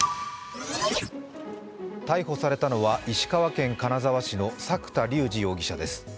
逮捕されたのは石川県金沢市の作田竜二容疑者です。